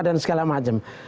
dan segala macam